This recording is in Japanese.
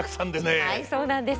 はいそうなんです。